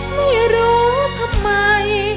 ไม่รู้ทำไม